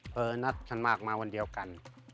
เฟินนัดสั่งมากมาวันเดียวกัน